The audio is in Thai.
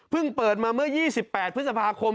เปิดมาเมื่อ๒๘พฤษภาคม